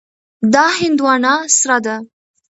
دا هندوانه سره ده.